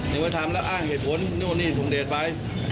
ได้ยังไม่ทำแล้วเอ๊ะเหตุผลนี่นี่ตรงเด่นไป